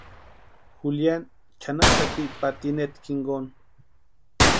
Juliani chʼanaxati patinetani jinkoni.